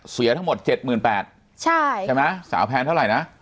เสียทั้งหมดเจ็ดหมื่นแปดใช่ใช่ไหมสาวแพ้นเท่าไรนะ